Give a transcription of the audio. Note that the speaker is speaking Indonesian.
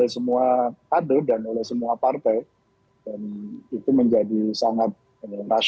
itu suatu kewajaran